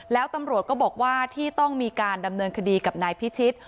แล้วตำรวจก็บอกว่าที่ต้องมีการดำเนินคดีกับนายพิชิต